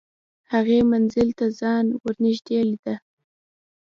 هغې منزل ته ځان ور نږدې لیده